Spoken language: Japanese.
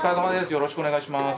よろしくお願いします。